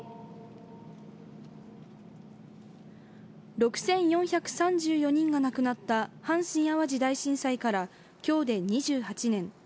６４３４人が亡くなった阪神・淡路大震災から今日で２８年。